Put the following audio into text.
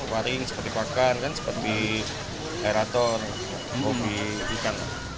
waring seperti pakan kan seperti aerator hobi ikan